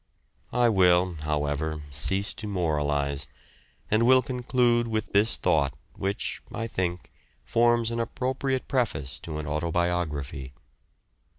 I will, however, cease to moralise, and will conclude with this thought which, I think, forms an appropriate preface to an autobiography.